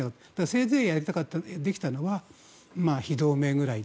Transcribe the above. せいぜい、できたのは非同盟ぐらい。